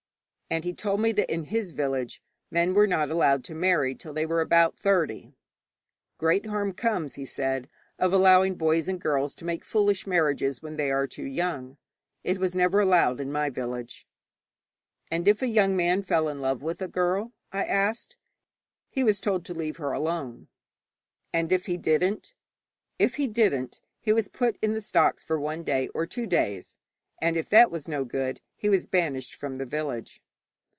And he told me that in his village men were not allowed to marry till they were about thirty. 'Great harm comes,' he said, 'of allowing boys and girls to make foolish marriages when they are too young. It was never allowed in my village.' 'And if a young man fell in love with a girl?' I asked. 'He was told to leave her alone.' 'And if he didn't?' 'If he didn't, he was put in the stocks for one day or two days, and if that was no good, he was banished from the village.'